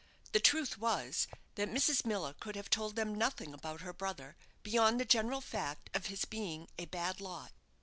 The truth was, that Mrs. Miller could have told them nothing about her brother beyond the general fact of his being "a bad lot."